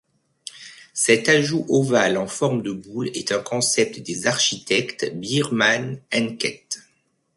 Cet ajout ovale en forme de boule est un concept des architectes Bierman Henket.